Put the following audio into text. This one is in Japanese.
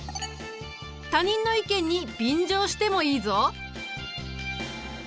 他人の意見に便乗してもいいぞ。